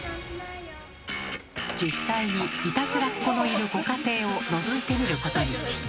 実際にいたずらっ子のいるご家庭をのぞいてみることに。